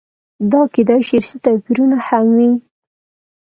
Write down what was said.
دا کېدای شي ارثي توپیرونه هم وي.